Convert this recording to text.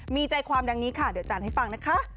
มีใจความดังนี้ค่ะเดี๋ยวจันทร์ให้ฟังนะคะ